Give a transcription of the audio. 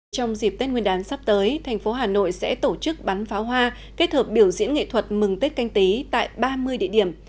trong dịp tết nguyên đán sắp tới thành phố hà nội sẽ tổ chức bắn pháo hoa kết hợp biểu diễn nghệ thuật mừng tết canh tí tại ba mươi địa điểm